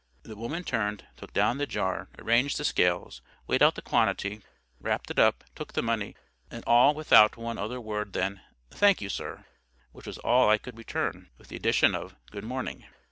The woman turned, took down the jar, arranged the scales, weighed out the quantity, wrapped it up, took the money,—and all without one other word than, "Thank you, sir;" which was all I could return, with the addition of, "Good morning."